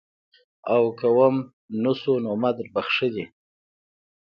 او که وم نه شو نو ما دربخلي.